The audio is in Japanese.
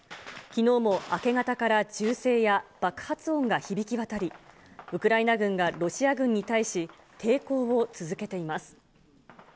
きのうも明け方から銃声や爆発音が響きわたり、ウクライナ軍がロシア軍に対し、抵抗を続けています。